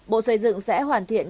bộ xây dựng sẽ hoàn thiện